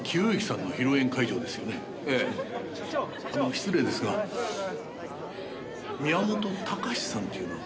失礼ですが宮本孝さんっていうのは？